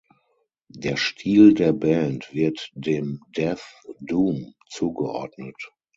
Der Stil der Band wird dem Death Doom zugeordnet.